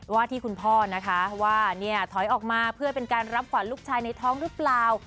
ว่าที่คุณพ่อนะคะว่าเนี่ยถอยออกมาเพื่อเป็นการรับขวัญลูกชายในท้องหรือเปล่า